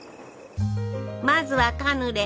まずはカヌレ。